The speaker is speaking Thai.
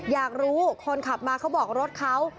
อยากรู้คนขับมาเขาบอกรถเขา